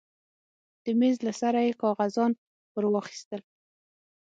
د مېز له سره يې کاغذان ورواخيستل.